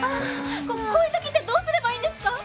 こういう時ってどうすればいいんですか？